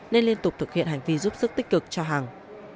nên liên tục thực hiện hành vi giúp sức tích cực cho hàng